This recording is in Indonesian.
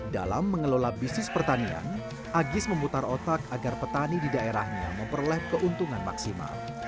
dalam mengelola bisnis pertanian agis memutar otak agar petani di daerahnya memperoleh keuntungan maksimal